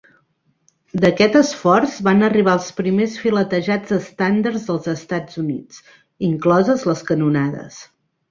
D'aquest esforç van arribar els primers filetejats estàndards dels Estats Units, incloses les canonades.